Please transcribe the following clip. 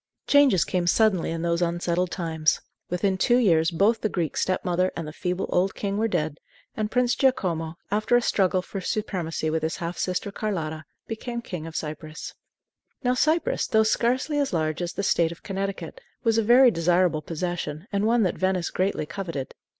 Changes came suddenly in those unsettled times. Within two years both the Greek step mother and the feeble old king were dead, and Prince Giacomo, after a struggle for supremacy with his half sister Carlotta, became King of Cyprus. Now Cyprus, though scarcely as large as the State of Connecticut, was a very desirable possession, and one that Venice greatly coveted.